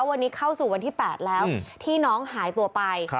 วันนี้เข้าสู่วันที่๘แล้วที่น้องหายตัวไป